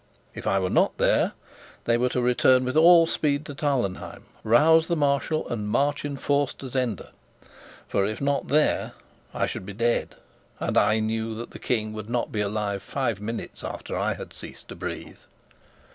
If I were not there, they were to return with all speed to Tarlenheim, rouse the Marshal, and march in force to Zenda. For if not there, I should be dead; and I knew that the King would not be alive five minutes after I ceased to breathe.